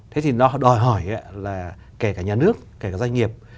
thế thì nó đòi hỏi là kể cả nhà nước kể cả doanh nghiệp